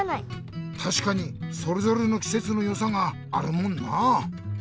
たしかにそれぞれのきせつのよさがあるもんなあ。